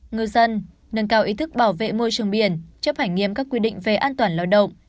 ngư dân nâng cao ý thức bảo vệ môi trường biển chấp hành nghiêm các quy định về an toàn lao động